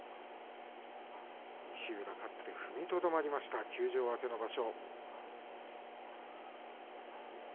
石浦、勝って踏みとどまりました休場明けの場所。